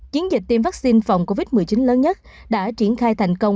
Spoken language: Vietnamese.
chiến dịch tiêm vaccine phòng covid một mươi chín lớn nhất đã triển khai thành công